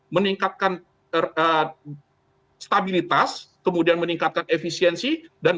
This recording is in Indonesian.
meningkatkan stabilitas ekonomi indonesia menjadi epicenter of growth